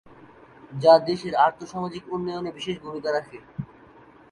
যা দেশের আর্থসামাজিক উন্নয়নে বিশেষ ভূমিকা রাখে।